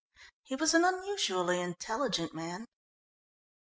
"He was an unusually intelligent man."